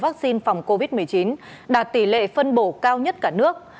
vắc xin phòng covid một mươi chín đạt tỷ lệ phân bổ cao nhất cả nước